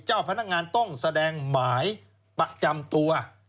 เจ้าพนักงานต้องแสดงหมายประจำตัว